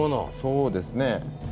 そうですね。